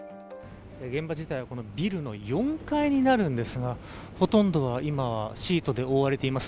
現場自体はこのビルの４階になるんですがほとんど今はシートで覆われています。